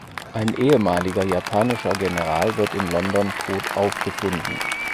Ein ehemaliger japanischer General wird in London tot aufgefunden.